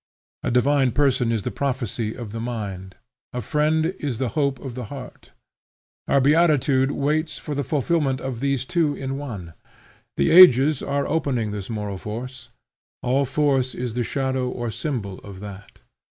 A divine person is the prophecy of the mind; a friend is the hope of the heart. Our beatitude waits for the fulfilment of these two in one. The ages are opening this moral force. All force is the shadow or symbol of that.